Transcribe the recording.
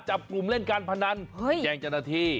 จับกลุ่มเล่นการพนันแจ้งจันทรีย์